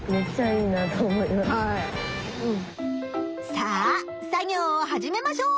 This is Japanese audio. さあ作業を始めましょう！